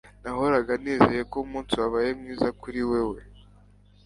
nahoraga nizeye ko umunsi wabaye mwiza kuri wewe